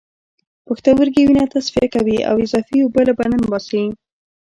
پښتورګي وینه تصفیه کوي او اضافی اوبه له بدن باسي